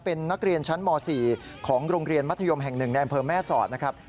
เป็นนักเรียนชั้นม๔ของโรงเรียนมัธยมแห่ง๑ในอำเภอแม่สอดนะครับ